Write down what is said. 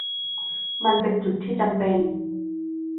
มันเป็นจุดที่จำเป็น